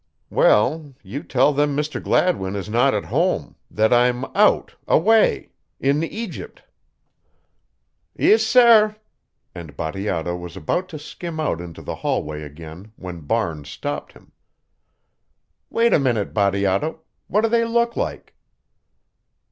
'" "Well, you tell them Mr. Gladwin is not at home that I'm out, away in Egypt." "Ees, sair," and Bateato was about to skim out into the hallway again when Barnes stopped him. "Wait a minute, Bateato what do they look like?"